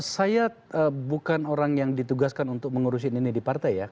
saya bukan orang yang ditugaskan untuk mengurusin ini di partai ya